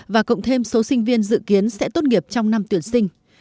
và cộng thêm số sinh viên dự kiến sẽ tốt nghiệp trong năm tuyển sinh